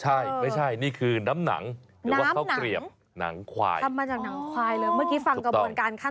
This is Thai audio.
ทำมาจากหนังไข่เลยเมื่อกี้ฟังกระบวนการขั้นตอน